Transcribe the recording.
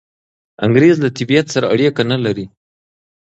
انګریز له طبیعت سره اړیکه نلري.